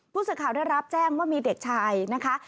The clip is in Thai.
ผู้สื่อข่าวได้รับแจ้งว่ามีเด็กชายนะคะ